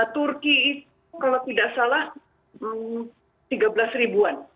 turki kalau tidak salah tiga belas an